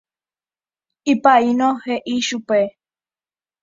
Ipaíno he'i chupe.